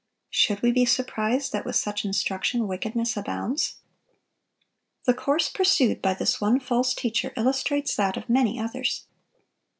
Should we be surprised that, with such instruction, wickedness abounds? The course pursued by this one false teacher illustrates that of many others.